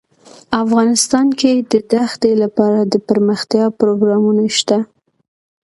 افغانستان کې د دښتې لپاره دپرمختیا پروګرامونه شته.